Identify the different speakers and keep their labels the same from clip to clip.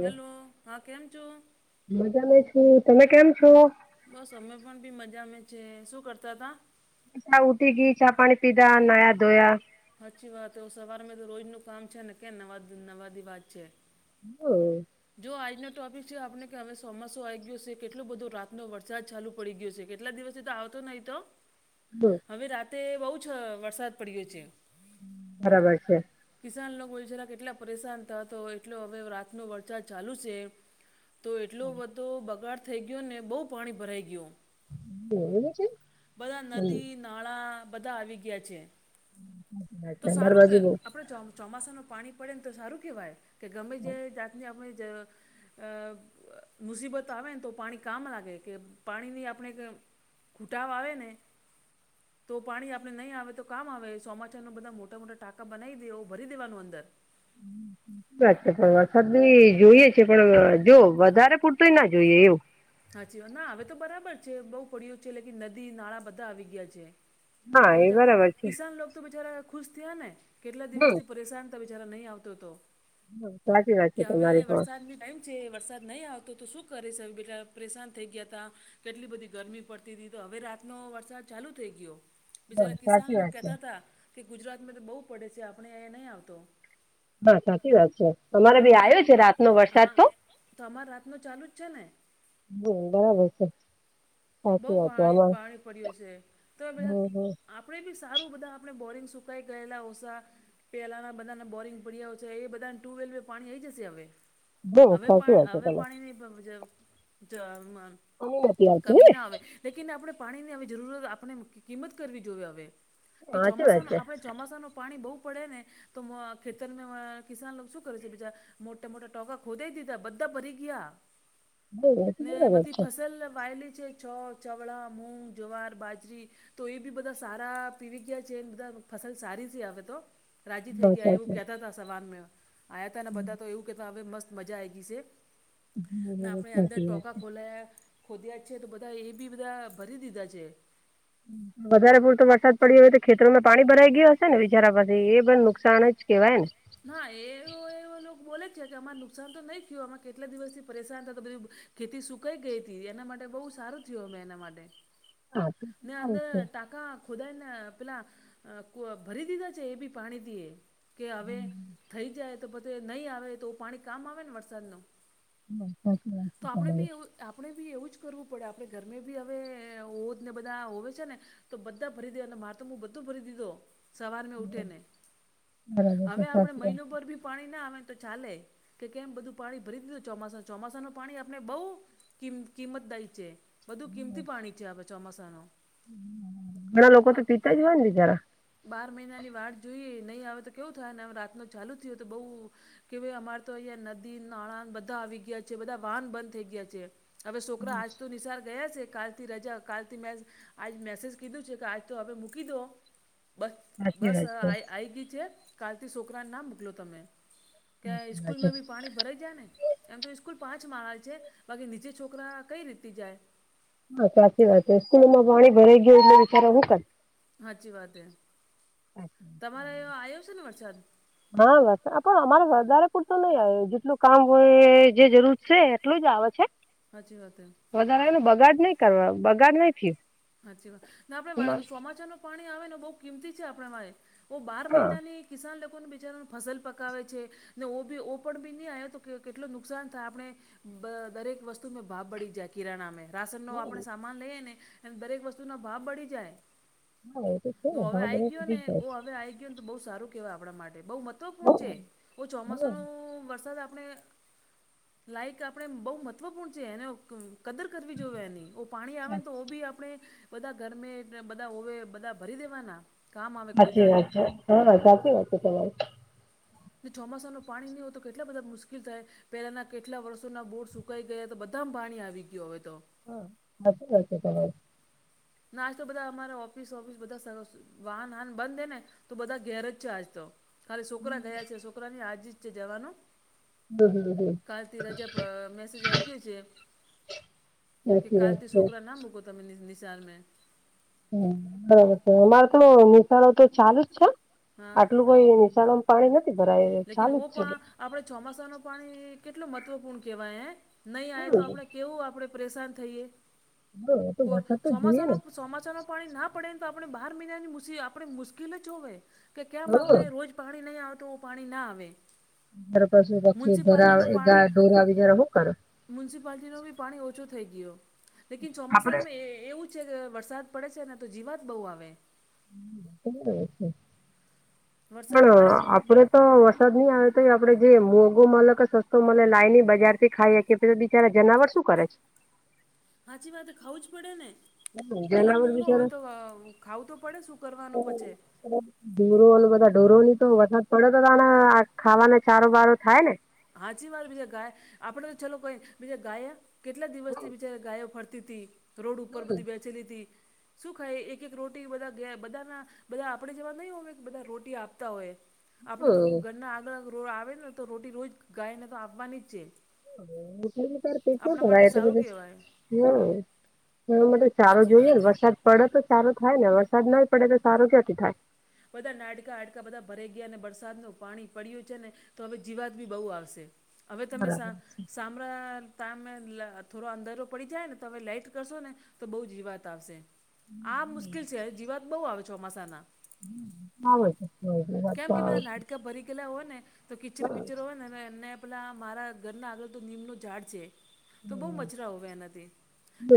Speaker 1: Hello, હા, કેમ છો?
Speaker 2: મજા છું, તમે કેમ છો?
Speaker 1: બસ અમે પણ બી મજામાં છે, શું કરતા તા?
Speaker 2: આ ઉઠી ગી, ચા, પાણી પીધા, નાયા, ધોયા.
Speaker 1: સાચી વાત સવાર મે તો રોજ નું કામ છે ને કે નવા નવા વાત છે.
Speaker 2: [unintelligible]
Speaker 1: જો આજનો ટોપિક છે આપણે કે હવે ચોમાસું આવી ગયુ છે કેટલો બધો રાતનો વરસાદ ચાલુ પડી ગયો છે કેટલા દિવસથી તો આવતો નહી તો?
Speaker 2: [unintelligible]
Speaker 1: હવે રાતે બઉ જ વરસાદ પડ્યો છે.
Speaker 2: બરાબર છે.
Speaker 1: કિસાન લોકો બીચારા કેટલા પરેસાન થાતો હોય એટલો હવે રાત નો વરસાદ ચાલુ છે, તો એટલો બધો બગાડ થઈ ગયોને બહુ પાણી ભરાઈ ગયું.
Speaker 2: એવું છે
Speaker 1: બધા નદી નાળા બધા આવી ગયા છે. તો
Speaker 2: તમારી
Speaker 1: સારું
Speaker 2: બાજુ બઉ
Speaker 1: આપણે ચોમાસા નું પાણી પડે ને તો સારું કેહેવાય કે ગમે તે જાત ને આપણી જ અ મુસીબત આવે ને તો પાણી કામ લાગે કે પાણીની આપણે ઘૂટાવ આવે ને તો પાણી આપણે નહીં આવે તો કામ આવે ચોમાસ બધા મોટા મોટા ટાકા બનાવી દે ભરી દેવાનું અંદર.
Speaker 2: [inaudible] વાત છે પણ વરસાદ બી જોઈએ છે પણ જો વધારે પૂરતોય ના જોઈએ એવું.
Speaker 1: સાચી વાત ના હવે તો બરાબર છે બહુ પડ્યું છે એલે કે નદી નાળા બધા આવી ગયા છે.
Speaker 2: હા
Speaker 1: તો ભી
Speaker 2: એ
Speaker 1: ચાકી
Speaker 2: બરાબર છે
Speaker 1: કસાન લોક તો જ્યારે ખુશ થયા ને કેટલા
Speaker 2: હમ
Speaker 1: દિવસ થી પરેશાન ત બિચારા નહીં આવતો તો.
Speaker 2: સાચી વાત
Speaker 1: કે
Speaker 2: છે
Speaker 1: હવે
Speaker 2: તમારી પણ
Speaker 1: વરસાદની ટાઈમ છે વરસાદ નહીં આવતો તો શું કરીસ બેટા? પરેશાન થઈ ગયા તા કેટલી બધી ગરમી પડતી હતી તો હવે રાતનો વરસાદ ચાલુ થઈ ગયો.
Speaker 2: હ
Speaker 1: બિચારા કિસાન
Speaker 2: સાચી
Speaker 1: લોકો
Speaker 2: વાત છે
Speaker 1: કહેતા હતા કે ગુજરાતમાં તો બહુ પડે છે આપણે અહીયા નહીં આવતો.
Speaker 2: [unintelligible] સાચી વાત છે,
Speaker 1: તો
Speaker 2: અમારે ભી
Speaker 1: આપણે
Speaker 2: આવ્યો છે રાતનો વરસાદ તો.
Speaker 1: પ્રાર્થનો ચાલુ જ છે ને?
Speaker 2: હમ્મ, બરાબર છે.
Speaker 1: બહુ
Speaker 2: સાચી વાત છે
Speaker 1: પાણી
Speaker 2: આમાં
Speaker 1: પાણી પડ્યું છે તો
Speaker 2: હમ
Speaker 1: બધા
Speaker 2: હમ
Speaker 1: આપણેે બી સારું બધા આપણે બોરિંગ સુકાઈ ગયેલા ઓછા પેલાના બધાને બોરિંગ પડ્યાય છે બધાને ટ્યુબવેેલે આવીઈ જશે હવે.
Speaker 2: બ
Speaker 1: હવે
Speaker 2: સાચી
Speaker 1: પાણ
Speaker 2: વાત છે
Speaker 1: હવે
Speaker 2: તમે
Speaker 1: પાણી ની [inaudible] જ
Speaker 2: [inaudible]
Speaker 1: કમી ના આવે લેકિન આપણે પાણીની હવે જરૂરત આપણે કિંમત કરવી જોઈએ હવે. કે
Speaker 2: સાચી વાત
Speaker 1: ચોમાસા માં
Speaker 2: છે
Speaker 1: આપણે ચોમાસા નું પાણી બહુ પડે ને તો ખેતરમાં કિસાન શું કરશે બીચાર મોટા મોટા [unintelligible] દીધા બધા ભરી ગયા.
Speaker 2: બઉ સાચી
Speaker 1: ને બધી ફસલ વાયેલી છે છ ચવળા, મૂગ, જવાર, બાજરી તો એ બી બધા સારા પીવી ગયા છે બધા ફસલ સારીથી આવે તો. રાજી થઈ ગયા
Speaker 2: બરાબર
Speaker 1: એવું
Speaker 2: છે
Speaker 1: કહેતા હતા સવાનમાં આયા હતા તે બધા તો એવું કહેતા હવે મસ્ત મજા આયગે સે, ને
Speaker 2: બસા છે.
Speaker 1: આપણે અંદર
Speaker 2: સાચી વાત
Speaker 1: ટોકા
Speaker 2: છે.
Speaker 1: ખોલાયા ખોદ્યા જ છે તો બધા એ બી બધા ભરી દીધા છે.
Speaker 2: હમ્મ. વધારે પૂરતો વરસાદ પડીયો હોય તો ખેતરોમાં પાણી ભરાઈ ગય હશે ને બિચારા પાસે એ પણ નુકસાન જ કેહેવાય ને.
Speaker 1: હા એવ એવું એ લોકો બોલે છે અમારે તો નહી થયું અમે કેટલા દિવસ થી પરેશાન થ તો બધું ખેતી સુકાઈ ગઈ હતી એના માટે બહુ સારું થયુ મેં એના માટે,
Speaker 2: હા તો
Speaker 1: ને
Speaker 2: સારું
Speaker 1: અંદર
Speaker 2: છે
Speaker 1: ટા કા ખુદાના આ પેલા ભરી દીધા છે એ બી પાણીથી. કે હવે થઈ જાય તો પધી નહીં આવે તો પાણી કામ આવે ને વરસાદનો.
Speaker 2: હમ્મ, સાચી વાત છે તમારી.
Speaker 1: આપણે બી એવું જ કરવું પડે આપડે ઘરમે બી હવે બધા હોવે છે ને તો બધા ભરી દે અને મારે તો હું બધો ભરી દીધો. સવાર મે ઉઠે ને,
Speaker 2: બરાબર છે
Speaker 1: હવે આપણે
Speaker 2: સાચી વાત
Speaker 1: મહિનો
Speaker 2: છે.
Speaker 1: પર ભી પાણી ના આવે તો ચાલે કે કેમ બધું પાણી ભરી દીધું ચોમાસા ચોમાસા નું પાણી આપણે બઉ કિમ કિંમતદાયી છે, બધું કિમતી પાણી છે અવે
Speaker 2: ઘણા લોકો તો પીતા જ હોય ને બીચારા.
Speaker 1: બાર મહિનાની વાળ જોઈએ નહીં આવે તો કેવું થાય ને રાતનો ચાલુ થયો તો બહુ કે ભાઈ અમારે તો અહિયાં નદી નાણાં બધા આવી ગયા છે બધા વાહન બંધ થઈ ગયા છે. હવે છોકરા આજ તો નિશાર ગયા છે કાલથી રજા કાલથી મેં આજ મેસેજ કીધું છે કે આજ તો હવે મૂકી દો. બસ
Speaker 2: સાચી
Speaker 1: બસ
Speaker 2: વાત
Speaker 1: આ
Speaker 2: છે
Speaker 1: આઈ ગઈ છે કારાલતી છોકરાને ના મોકલો તમે. કેયા
Speaker 2: સાચી વાત છે.
Speaker 1: સ્કૂલમાં ભી પાણી ભરાઈ જાયને. એમ તો સ્કૂલ પાંચ માળા છે બાકી નીચે છોકરા કઈ રીતી જાય.
Speaker 2: હા સાચી વાત છે, સ્કૂલોમાં પાણી ભરાઈ ગયું એટલો વિચારો હું કર
Speaker 1: સાચી વાત એ, તમારે એ આવ્યો છે ને વરસાદ?
Speaker 2: હા બસ પણ અમારે વધારે પૂરતો નહી આવે જેટલું કામ હોય જે જરૂર છે એટલું જ આવે છે.
Speaker 1: હાચી વાત હે.
Speaker 2: વધારે એને બગાડ નઈ કરવા બગાડ નઈ થયું.
Speaker 1: સાચી વાત ને આપણેે સોમાચાર નું પાણી આવે ને બહુ કિંમતી છે આપણે માટે એ બહ બાર
Speaker 2: હા
Speaker 1: મહિનાની કિસાન લોકોને બિચારાની ફસલ પકાવે છે. ને ઓ બી ઓ પણ બી ની આવ્યો તો કેટલું નુકસાન થાય આપણે. બ દરેક વસ્તુમાં ભાવ બઢી જાત. કિરાણામાં રાશનનો આપણે સામાન લઈએ ને એ દરેક વસ્તુનો ભાવ બધી જાય.
Speaker 2: હા એ તો છે ને ભાવ
Speaker 1: આઈ
Speaker 2: બધો
Speaker 1: ગયો ને
Speaker 2: વધી જાય
Speaker 1: ઓ
Speaker 2: છે.
Speaker 1: હવે આઈ બહ સારું કેહેવાય આપણા માટે બહુ મહત્વપૂર્ણ છે ચોમાસા
Speaker 2: હા
Speaker 1: નુ.... વરસાદ આપણે લાઈક આપડે બહુ મહત્વપૂર્ણ છે એને કદર કરવી જોયએ એની ઓ પાણી આવે તો બી આપણે બધા ઘરમે બધા હોવે બધા ભરી દેવાના. કામ આવે કોઈ
Speaker 2: સાચી
Speaker 1: દાડમ
Speaker 2: વાત છે સર સાચી વાત છે તમારે.
Speaker 1: ચોમાસાનું પાણી નહિં હો તો કેટલા બધા મુશ્કેલ થાય. પહેલાના કેટલા વર્ષોના બોર સુકાઈ ગયા તો બધામાં પાણી આવી ગયું હવે તો.
Speaker 2: હા [unintelligible]
Speaker 1: નાસ્ તો બધા અમારા ઓફિસ ઓફિસ બધા સરસ વાહન હન બંધ હે ને તો બધા ઘેર જ છે આજ તો ખાલી છોકરા ગયા છે છોકરાની આજ જ છે જવાનું.
Speaker 2: હ. [unintelligible]
Speaker 1: કાલથી રજા પ.... મેસેજ આવી ગયો છે. કે
Speaker 2: સાચી વાત
Speaker 1: કાલથી
Speaker 2: છે
Speaker 1: છોકરા ના મૂકો તમે નિશાર મે.
Speaker 2: હમ.. બરાબર છે અમારે તો નિશાળો તો ચાલુ જ છે
Speaker 1: હા
Speaker 2: આટલું કોઈ નિશાળો પાણી નથી ભરાયા.
Speaker 1: લેકિન ઓપા આપડે ચોમાસા નું પાણી... કેટલું મહત્વપૂર્ણ કેવાય હે? નહીં આવે તો
Speaker 2: હા
Speaker 1: આપણે કેવું આપણેે પરેશાન થઈએ....?
Speaker 2: હ તો વરસાદ
Speaker 1: [unintelligible]
Speaker 2: તો જોઈએ
Speaker 1: ચોમાસાનો
Speaker 2: ને
Speaker 1: ચોમાસા નું પાણી ના પડે ને તો આપણે બાર મહિનાની મુસી આપણે મુશ્કેલ જ હોવે. કે કેમ આપણે રોજ પાણી નહીં આવતું પાણી ના આવે.
Speaker 2: [unintelligible] ધરાવે
Speaker 1: મ્યુનિસિપાલિટીનો
Speaker 2: [unintelligible] શું કરે?
Speaker 1: મ્યુનિસિપાલિટી નું બી પાણી ઓછો થઈ ગયો લેકિન ચોમાસાનું મેં.. એવું જ છે... વરસાદ પડે છે ને તો જીવાત બઉ આવે
Speaker 2: [unintelligible] [inaudible]
Speaker 1: વરસાદ
Speaker 2: પણ
Speaker 1: પડે ને
Speaker 2: આપડે તો વરસાદ નહી આવે તો એ આપડે જે મોંઘું મળે કે સસ્તું મળે લાય ને બજાર થી ખાઈએ. તો બિચારા જનાવર શું કરે છે?
Speaker 1: હાચી વાત ખાવું જ પડે ને. ભલે
Speaker 2: જનાવર
Speaker 1: મોંઘું હોય તો....
Speaker 2: બિચારા
Speaker 1: ખાવું તો પડે શું કરવાનું પછી?
Speaker 2: ઓ બધા ઢોરો ને તો વરસાદ પડે તો [unintelligible] ખાવાને ચારો બારો થાય ને.
Speaker 1: હાચી વાત બીજે ગાય આપડે તો ચાલ કોઈ બીજે ગાય કેટલા દિવસથી બિચારી ગાયો ફરતી હતી રોડ ઉપર બધી બેસેલી હતી. શું ખાય એક એક રોટી બધા ગયા બધાના. બધા આપણેે જેવા નઈ હોવે કે બધા રોટી આપતા હોય. આપણે તો
Speaker 2: હમ
Speaker 1: ઘરના આગળ રો આવે ને તો રોટી રોજ ગાયને તો આપવાની જ છે. આપણા માટે
Speaker 2: [unintelligible] તે
Speaker 1: સારું
Speaker 2: બધી
Speaker 1: કહેવાય
Speaker 2: હમ્મ.... [unintelligible] સારો
Speaker 1: સાચી
Speaker 2: જોઈએ
Speaker 1: વાત
Speaker 2: ને
Speaker 1: એ
Speaker 2: વરસાદ. પડે તો ચારો થાય ને વરસાદ ના પડે તો ચારો ક્યાથી થાય?
Speaker 1: બધા નાડકા હડકા બધા ભરાઈ ગયા અને વરસાદનું પાણી પડયું છે ને તો હવે જીવાત બી બહુ આવશે. હવે તમે સા
Speaker 2: બરાબર
Speaker 1: સામ પ્ર... તામે.. થોડો અંધારો પડી જાય ને તમે લાઈટ કરશો ને તો બહુ જીવાત આવશે. આ મુશ્કેલ છે જીવાત બહુ આવે ચોમાસાના
Speaker 2: [unintelligible] વાત
Speaker 1: કેમ
Speaker 2: તો
Speaker 1: કે બધા
Speaker 2: આવે
Speaker 1: નાડકા ભરી ગયેલા હોય ને તો કિચર
Speaker 2: છે
Speaker 1: પીચર હોય ને એને પેલા મારા ઘરના આગળ તો નીમનું ઝાડ છે. તો બહુ મચ્છરા હોવે, એનાથી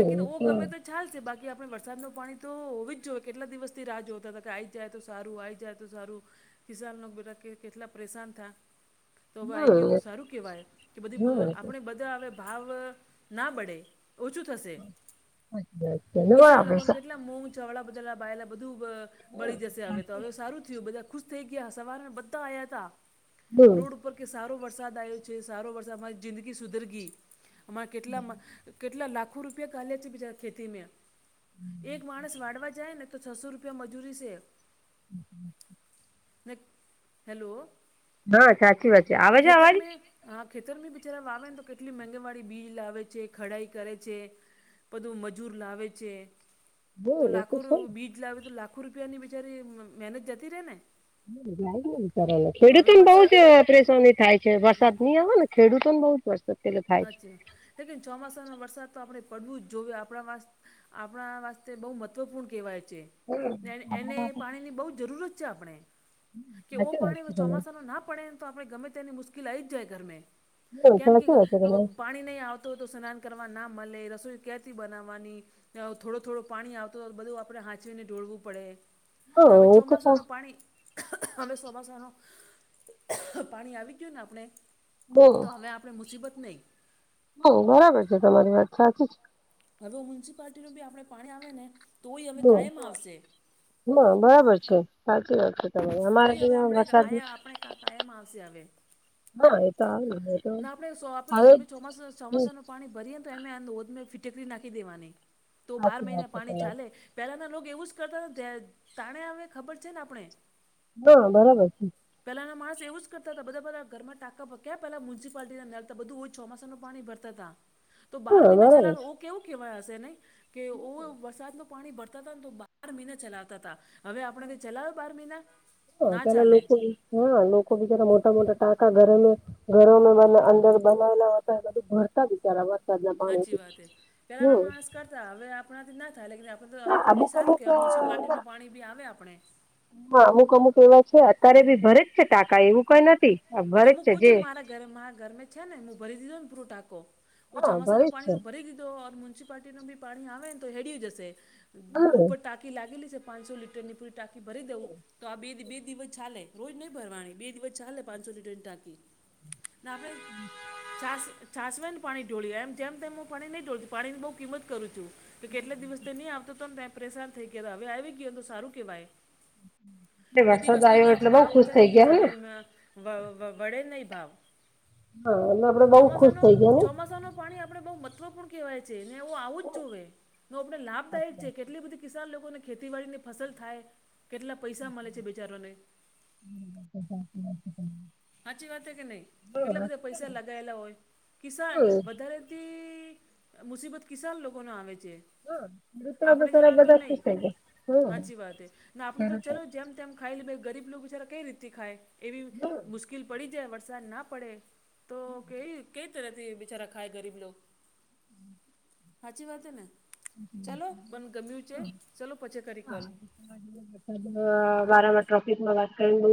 Speaker 1: લેકિન ઓ ગમે તો. ચાલ છે, બાકી આપણે વરસાદ ન પાણી તો હોવી જ જોઈએ, કેટલા દિવસથી રાહ જોતા હતા કે, આઈ જાય તો સારું આ જાય. તો સારું ખિનો બેટા કે, કેટલા પરેશાન થ તો હવે આવી ગયો તો સારું કહેવાય કે,
Speaker 2: હમ
Speaker 1: બધી આપણે બધા હવે ભાવ ના બડે. ઓછું થશે,
Speaker 2: હમ ધન્યવાદ
Speaker 1: કિસાન લોકોને
Speaker 2: આપે
Speaker 1: કેટલા મો ચડા બધા બાયલા બધું બળી જશે, હવે હવે સારું બધા ખુશ થઈ ગયા, સવાર બધા આવ્યા હતા,
Speaker 2: હમ
Speaker 1: રોડ ઉપર કે સારો વરસાદ આવ્યો છે, સારો વરસાદ મામારી જિંદગી સુધર ગઈ અમારા કેટલા કેટલા લાખો રૂપિયા કાલ્યા છે, બીજા ખેતીમાં એક માણસ વાળવા જાય ને. તો છસો રૂપિયા મજૂરી છે.
Speaker 2: હમ.
Speaker 1: હ, હેલો.
Speaker 2: હા, સાચી વાત છે, આવેજો
Speaker 1: ખેતર
Speaker 2: અવાળ.
Speaker 1: મેં હા, ખેતર બી બિચારા વા આવે ને, તો કેટલી મગે વાળી બીજ લાવે છે, ખડાઈ કરે છે. બધું મજૂર લાવે છે. તો
Speaker 2: હમ એ
Speaker 1: લાખો ર બીજ લાવે તો, લાખો રૂપિયાની બિચારી મહેનત જતી રહેે ને.
Speaker 2: વિચાર
Speaker 1: તો હવે
Speaker 2: ખેડૂતોને બહુ
Speaker 1: વરસાદ
Speaker 2: જ પરેશાની થાય છે, વરસાદ નઈ આવે ને. ખેડૂતો પણ બહુ વસ
Speaker 1: સાચી લેકન ચોમાસાનો વરસાદ તો આપણે પડવું જ જોયએ, આપણા આપણા વસ્તે બહુ મહત્વપૂર્ણ કહેવાય છે. ને એને પાણીની બહુ જ જરૂરત છે, આપણે કે ઓ
Speaker 2: સાચી
Speaker 1: પાણી
Speaker 2: વાત
Speaker 1: ચોમાસાનું ના પડે ને, તો આપણે ગમે તેની મુશ્કેલ આવી જ જાય ઘરમે.
Speaker 2: છે તમારી હમ
Speaker 1: કેમ કે
Speaker 2: સાચી વાત
Speaker 1: પાણી નહીં આવતો હોય તો, સ્નાન કરવા ના મળે, રસોઈ કથી બનાવવાની. થોડો-થોડું પાણી આવતો, બધું આપણે હાંચવીને ઢોળવું પડે. ના હવે
Speaker 2: છે તમારી
Speaker 1: ચોમાસાનું
Speaker 2: હા એ
Speaker 1: પાણી અમે પાણી ગયું ને, આપણે તો હવે આપણે મુસીબત નહી ગ
Speaker 2: હ, બરાબર છે, તમારી વાત સાચી જ.
Speaker 1: હવે મ્યુનિસિપાલટી નું બી આપણે આવે ને, તોય
Speaker 2: છે
Speaker 1: અવે આવશે.
Speaker 2: હા, બરાબર છે, સાચી વાત છે. તમારી અમારે
Speaker 1: કોઈ હવે
Speaker 2: ત્યાં
Speaker 1: આપમણે
Speaker 2: વરસાદ
Speaker 1: આ આપણે કા કયામ આવશે હવે.
Speaker 2: હા એ તો આવે ને એ તો
Speaker 1: ના આપણેે આપે
Speaker 2: આવે
Speaker 1: ગરમી ચોમાસા
Speaker 2: જ
Speaker 1: ચોમાસા ન પાણી ભરીએ તો એમેોધ મે ફિટેકરી નાખી દેવાની તો બાર
Speaker 2: સાચી વાત
Speaker 1: મહિના
Speaker 2: છે
Speaker 1: પાણી
Speaker 2: તમારી
Speaker 1: ચાલે [unintelligible] પહેલાંના લોકો એવું જ કરતાને તાણે આવે ખબર છે ને, આપણે
Speaker 2: હા, બરાબર છે.
Speaker 1: પેલાના માણસ એવું કરતા હતા બધા બધ ઘર ટાંકા ભ્યા પલા મ્યુનસિપાલિટી લતા બધું હોય, ચોમાસાસનું પાણી ભરતા. તો બાર
Speaker 2: હા
Speaker 1: મહિના
Speaker 2: બરાબર છે.
Speaker 1: છેલ્લા કેવું કેવાય હશે ન કે, ઓ વરસાદનો પાણી ભરતા હતા ને, તો બાર મહિના ચલાવતા હતા, હવે આપણે ક ચલાવે બાર મહિના
Speaker 2: હ,
Speaker 1: ના
Speaker 2: તલા
Speaker 1: ચાલે
Speaker 2: લોકો. હા, લોકો બીચાર મોટા-મોટા ટાંકા ઘરેમે ઘરોમાં બ અંદર બનાવેલા હોતા, બધું ભરતા બિચારા દ ના
Speaker 1: સાચી
Speaker 2: પાણીથી
Speaker 1: વાત એ
Speaker 2: હમ.
Speaker 1: પેલાના માણસ હવે આપણાથી ના થાય આપ, હવે તો બી
Speaker 2: અમુક
Speaker 1: સારું
Speaker 2: અમુક
Speaker 1: કેવા મ્યુનિસિપાલટી નું પાણી બી આવે આપણે.
Speaker 2: હા, અમુક અમુક એવા છે, અત્યારે બી ભરે જ છે, ટાકા એવું કઈ નથી.
Speaker 1: આ તો
Speaker 2: ભરે જ
Speaker 1: હું
Speaker 2: છે
Speaker 1: કૂ
Speaker 2: જે
Speaker 1: છું, મારા ઘરે મારા ઘર છે ને, હું ભરી દીધો ને, પૂરું ટાકો ઓ
Speaker 2: હા
Speaker 1: ચોમાસા
Speaker 2: ભરે
Speaker 1: ન
Speaker 2: જ છે
Speaker 1: પાણી ભરી દીધો, મ્યુનિસિપાલટી ન બી પાણી આવે ને, તો હેડી જશે. હમ
Speaker 2: હા
Speaker 1: ઉપર ટાકી લાગેલી શે પાંચસો લીટરની પૂરી ટાકી ભરી દઉં. તો આ બે બે દિવસ ચાલે રોજ નહી ભરવાની બે દિવસ ચાલે. પાંચસો લીટરની ટાંકી [inaudible]
Speaker 2: હમ.
Speaker 1: છાસ છાસવા ને પાણી ધોળી એમ જેમ તેમ હું પાણી નહીં ઢોળતી પાણીની બહુ કિંમત કરું છું. કે કે એટલા દિવસ નહી આવતો તોને ત્યા પરેશાન થઈ ગયાતા હવે આવી ગયો તો સારું કેવાય.
Speaker 2: એટલે
Speaker 1: બધી
Speaker 2: વરસાદ આવ્યો
Speaker 1: વસ્તુમાં આપે
Speaker 2: એટલે બઉ
Speaker 1: ભાવ
Speaker 2: ખુશ
Speaker 1: ઓછા થઈ
Speaker 2: ગયા
Speaker 1: જશે.
Speaker 2: ને
Speaker 1: હવે [inaudible] વ વ વડે નહી ભાવ.
Speaker 2: હા એમાં આપડે બઉ ખુશ
Speaker 1: ચોમાસાનો
Speaker 2: થઈ ગયા ને
Speaker 1: ચોમાસાનો પાણી આપણે બહ મહત્વપૂર્ણ કહેવાય છે. ને એવું આવું
Speaker 2: હમ
Speaker 1: જ જોવે. આપે
Speaker 2: હા
Speaker 1: લાભદાયક છે
Speaker 2: ખેડૂતો
Speaker 1: કેટલી બધી કિસાન લોકોને ખેતીવાડીની ફસલ થાય. કેટલા પૈસા મળે છે બેચારોને.
Speaker 2: હમ એ તો સાચી વાત છે તમારી.
Speaker 1: હાચી વાત હે કે નહીં? કેટલા બધા પૈસા લગાયેલા હોય કિસ્સા વધારે થી મુસીબત કિસાન લોકોને આવે છે. આપણે
Speaker 2: બિચારા
Speaker 1: જેવાને તો
Speaker 2: બધા
Speaker 1: નહી.
Speaker 2: ખુશ થઈ ગયા હમ
Speaker 1: હાચી વાતે ને આપણે તો
Speaker 2: ખેડૂતો
Speaker 1: ચલો જેમ તેમ ખાઈ લાઈ ગરીબ લોક બચારા કઈ રીતે ખાય એવી
Speaker 2: હમ
Speaker 1: મુશ્કેલ પડી જાય વરસાદ ના પડે તો કે કે થી બિચારા ખાય ગરીબ લોગ. હાચી વાત હે ને? ચલો બન ગમ્યું છે. ચલો પછી કરી કોલ.
Speaker 2: વારંવાર ટ્રોપિકમાં વાત કરીને [inaudible]